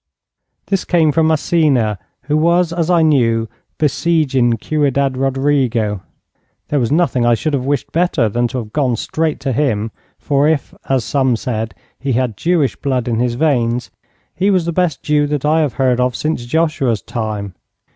This came from Massena, who was, as I knew, besieging Ciudad Rodrigo. There was nothing I should have wished better than to have gone straight to him, for if, as some said, he had Jewish blood in his veins, he was the best Jew that I have heard of since Joshua's time.